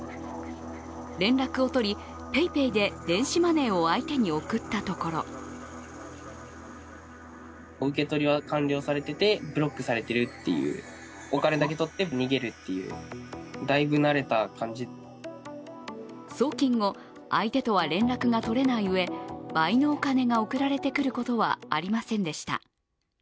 連絡を取り、ＰａｙＰａｙで電子マネーを相手に送ったところ送金後相手とは連絡が取れないうえ倍のお金が送られてくることはありませんでした。